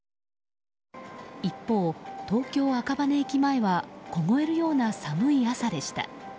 一方、東京・赤羽駅前は凍えるような寒い朝でした。